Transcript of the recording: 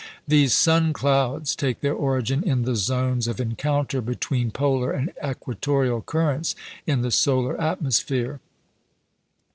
These sun clouds take their origin in the zones of encounter between polar and equatorial currents in the solar atmosphere.